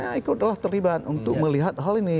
ya ikutlah terlibat untuk melihat hal ini